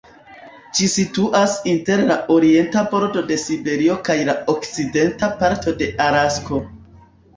Ĝi situas inter la orienta bordo de Siberio kaj la okcidenta parto de Alasko.